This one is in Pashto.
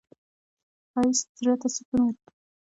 ښایست زړه ته سکون ورکوي